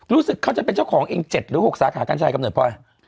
รู้สึกเขาจะเป็นเจ้าของเอง๗หรือ๖สาขากัญชัยกำเนิดพลอย